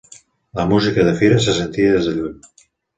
La música de fira se sentia des de lluny.